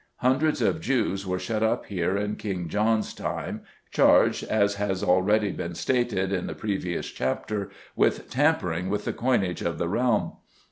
Hundreds of Jews were shut up here in King John's time, charged, as has already been stated in the previous chapter, with tampering with the coinage of the realm.